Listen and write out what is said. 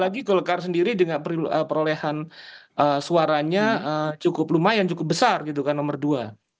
apalagi golkar sendiri dengan perolehan suaranya cukup lumayan cukup besar gitu kan nomor dua